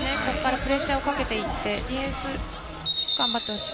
プレッシャーをかけてディフェンス頑張ってほしい。